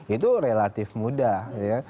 itu relatif mudah